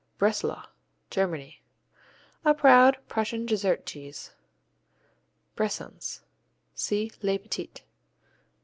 Breslau Germany A proud Prussian dessert cheese. Bressans see les Petits.